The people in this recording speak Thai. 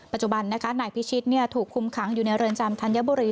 ปัจจุบันนะคะนายพิชิตถูกคุมขังอยู่ในเรือนจำธัญบุรี